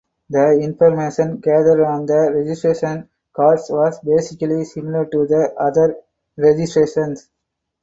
The information gathered on the registration cards was basically similar to the other registrations.